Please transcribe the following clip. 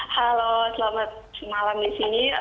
halo selamat malam di sini